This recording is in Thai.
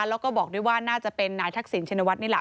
แล้วก็บอกด้วยว่าน่าจะเป็นนายทักษิณชินวัฒนนี่แหละ